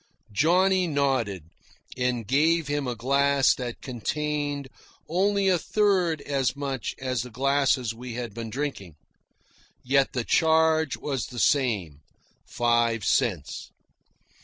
Johnny nodded and gave him a glass that contained only a third as much as the glasses we had been drinking. Yet the charge was the same five cents.